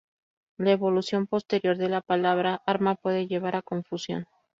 La evolución posterior de la palabra arma puede llevar a confusión.